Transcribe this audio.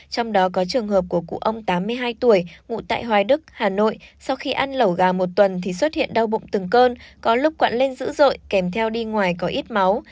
trong đó có trường hợp của cụ ông tám mươi hai tuổi ngụ tại hoài đức hà nội sau khi ăn lẩu gà một tuần thì xuất hiện đau bụng từng cơn có lúc quạt lên dữ dội kèm theo đi ngoài có ít máu